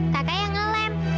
kakak yang ngelem